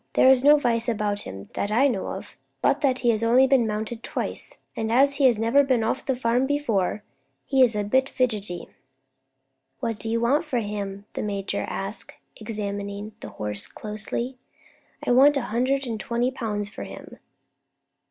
There is no vice about him that I know of, but he has only been mounted twice, and as he has never been off the farm before he is a bit fidgety." "What do you want for him?" the major asked, examining the horse closely. "I want a hundred and twenty pounds for him."